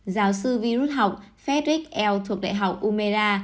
giáo sư vi rút học frederick l thuộc đại học umera